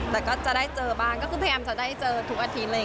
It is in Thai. แต่ก็จะได้เจอบ้างก็คือพยายามจะได้เจอทุกอาทิตย์